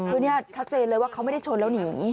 คือชัดเจนเลยว่าเขาไม่ได้ชนแล้วอยู่อย่างนี้